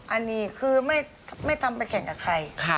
อันนี้คือไม่ทำไปแข่งกับใคร